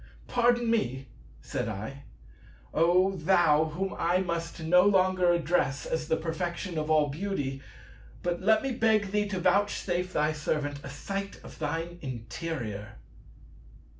"Pardon me," said I, "O Thou Whom I must no longer address as the Perfection of all Beauty; but let me beg thee to vouchsafe thy servant a sight of thine interior."